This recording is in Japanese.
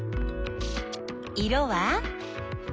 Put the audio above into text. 色は？